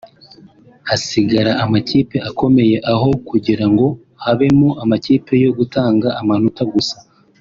hagasigara amakipe akomeye aho kugira ngo habemo amakipe yo gutanga amanota gusa